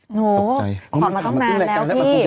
โอโหพอมาตั้งนานแล้วพี่